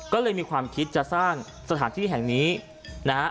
ก็เลยมีความคิดจะสร้างสถานที่แห่งนี้นะฮะ